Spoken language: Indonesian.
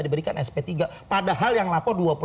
diberikan sp tiga padahal yang lapor